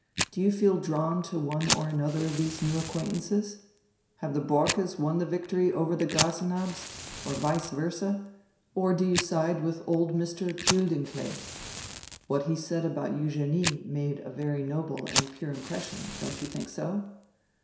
Do you feel drawn to one or anotiier of diese new acquaintances? Have die Borckes won die victory over die Grasenabbs, or vice versa, or do you side with old Mr. Giildenklee? What he said about Eugenie made a very noble and pure impres sion, don't you diink so?"